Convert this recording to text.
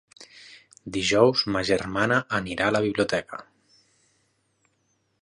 Dijous ma germana anirà a la biblioteca.